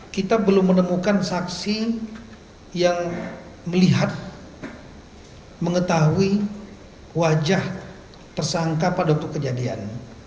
kita belum menemukan saksi yang melihat mengetahui wajah tersangka pada waktu kejadian